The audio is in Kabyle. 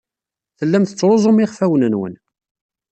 Tellam tettruẓum iɣfawen-nwen.